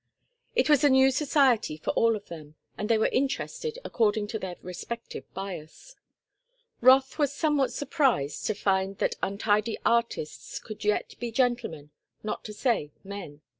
It was a new society for all of them, and they were interested according to their respective bias. Rothe was somewhat surprised to find that untidy artists could yet be gentlemen not to say men.